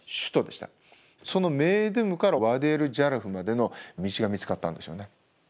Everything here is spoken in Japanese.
そのメイドゥムからワディ・エル＝ジャラフまでの道が見つかったんですよね。